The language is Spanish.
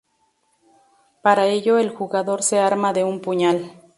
Para ello, el jugador se arma de un puñal.